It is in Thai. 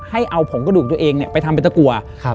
ให้เอาผงกระดูกตัวเองไปทำเป็นตะกัว